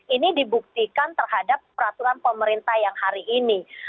ini dibuktikan terhadap peraturan pemerintah yang hari ini